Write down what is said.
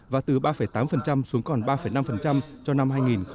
và từ ba tám xuống còn ba năm cho năm hai nghìn hai mươi